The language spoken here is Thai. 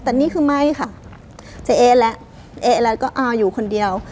แต่นี่คือไม่ค่ะเจ๊เอ๊ะและเอ๊ะแล้วก็อ้าวอยู่คนเดียว